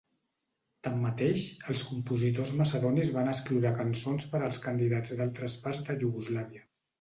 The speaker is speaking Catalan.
Tanmateix, els compositors macedonis van escriure cançons per als candidats d"altres parts de Iugoslàvia.